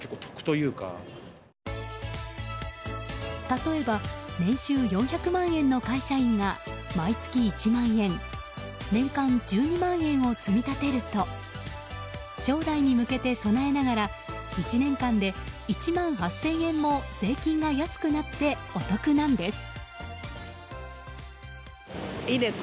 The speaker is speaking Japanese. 例えば年収４００万円の会社員が毎月１万円年間１２万円を積み立てると将来に向けて備えながら１年間で１万８０００円も税金が安くなってお得なんです。